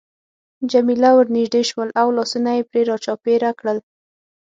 جميله ورنژدې شول او لاسونه يې پرې را چاپېره کړل.